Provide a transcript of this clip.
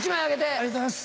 ありがとうございます。